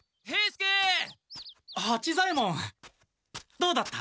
どうだった？